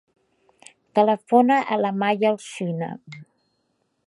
Telefona a la Maya Alsina.